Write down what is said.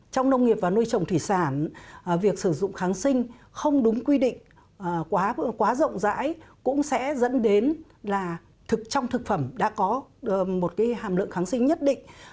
trong nông nghiệp và nuôi trồng thủy sản việc sử dụng kháng sinh không đúng quy định quá rộng rãi cũng sẽ dẫn đến là trong thực phẩm đã có một hàm lượng kháng sinh nhất định